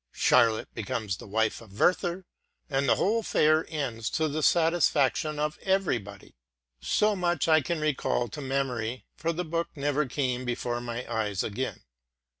Charlotte becomes the wife of Werther, and the whole affair ends to the satisfaction of everybody. So much I can recall to memory, for the book never came before my eyes again.